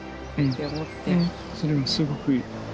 それはすごくいい。